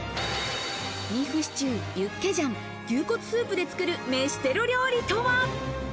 ビーフシチュー、ユッケジャン、牛骨スープで作る飯テロ料理とは？